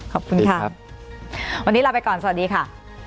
ขอบคุณค่ะวันนี้ลาไปก่อนสวัสดีค่ะ